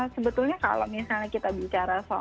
sebetulnya kalau misalnya kita bicara soal